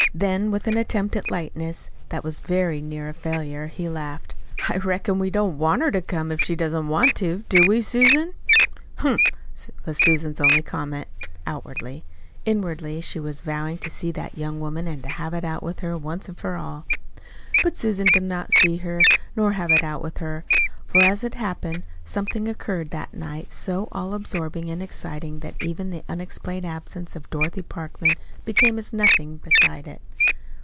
Then, with an attempt at lightness that was very near a failure, he laughed: "I reckon we don't want her to come if she doesn't want to, do we, Susan?" "Humph!" was Susan's only comment outwardly. Inwardly she was vowing to see that young woman and have it out with her, once for all. But Susan did not see her nor have it out with her; for, as it happened, something occurred that night so all absorbing and exciting that even the unexplained absence of Dorothy Parkman became as nothing beside it.